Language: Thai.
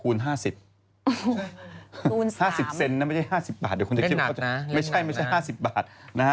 คูณ๓เล่นหนักนะเล่นหนักนะไม่ใช่๕๐บาทเดี๋ยวคุณจะคิดว่าไม่ใช่๕๐บาท